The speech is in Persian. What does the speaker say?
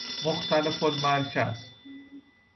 مختلف المرکز